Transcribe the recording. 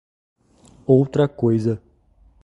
Outra coisa.